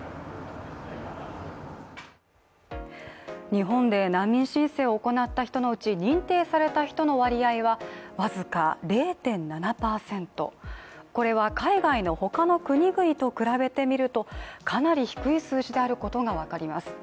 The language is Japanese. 日本で難民申請を行った人のうち認定された人の割合はわずか０．７％、これは海外の他の国々と比べてみるとかなり低い数字であることがわかります。